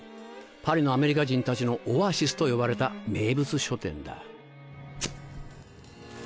パリのアメリカ人たちのオアシスと呼ばれた名物書店だ。